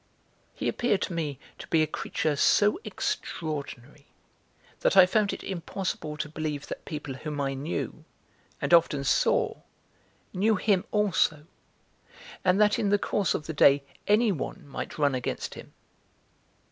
He appeared to me to be a creature so extraordinary that I found it impossible to believe that people whom I knew and often saw knew him also, and that in the course of the day anyone might run against him.